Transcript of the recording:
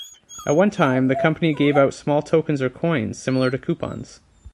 At one time, the company gave out small tokens or coins, similar to coupons.